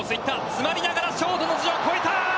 詰まりながらショートの頭上、超えたー！